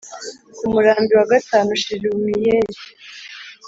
ku murambi wa gatanu shelumiyeli